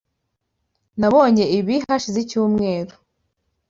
Nabonye ibi hashize icyumweru.